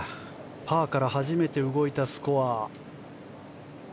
パーから初めて動いたスコア。